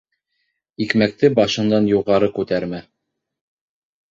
Икмәкте башыңдан юғары күтәрмә.